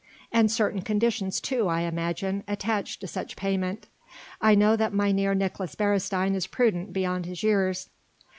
"And certain conditions too, I imagine, attached to such payment. I know that Mynheer Nicolaes Beresteyn is prudent beyond his years."